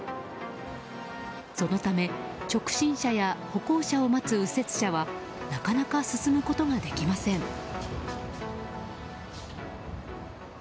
そのため、直進車や歩行者を待つ右折車はなかなか進むことができません。